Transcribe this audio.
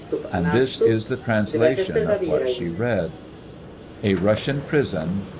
And this is the translation of what she read :'' A Russian prison, 188